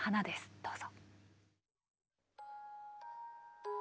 どうぞ。